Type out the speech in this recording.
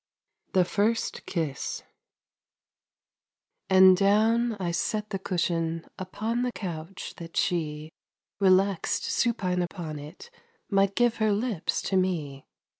THE FIRST KISS And down I set the cushion Upon the couch that she, Relaxed supine upon it, Might give her lips to me.